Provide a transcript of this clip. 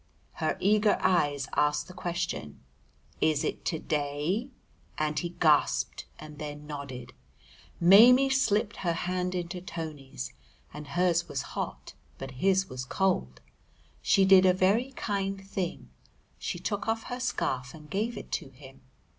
Her eager eyes asked the question, "Is it to day?" and he gasped and then nodded. Maimie slipped her hand into Tony's, and hers was hot, but his was cold. She did a very kind thing; she took off her scarf and gave it to him!